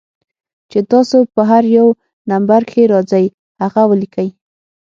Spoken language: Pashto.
چې تاسو پۀ هر يو نمبر کښې راځئ هغه وليکئ